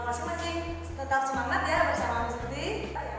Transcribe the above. sama walaupun dari rumah mas mending tetap semangat ya bersama masing